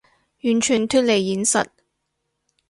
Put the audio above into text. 完全脫離現實